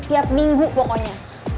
tiap minggu pokoknya